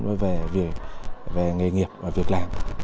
về nghề nghiệp và việc làm